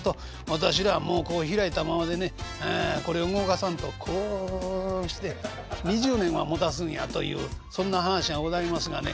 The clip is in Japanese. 私らはこう開いたままでねこれ動かさんとこうして２０年はもたすんや」というそんな噺がございますがね